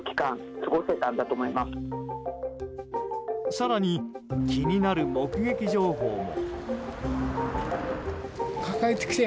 更に、気になる目撃情報も。